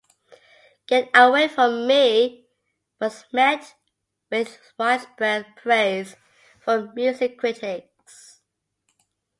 "Get Away From Me" was met with widespread praise from music critics.